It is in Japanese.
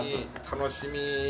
楽しみ。